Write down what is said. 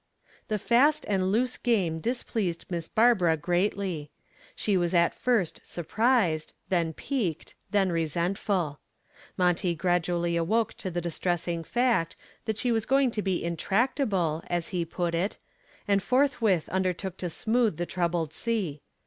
The fast and loose game displeased Miss Barbara greatly. She was at first surprised, then piqued, then resentful. Monty gradually awoke to the distressing fact that she was going to be intractable, as he put it, and forthwith undertook to smooth the troubled sea.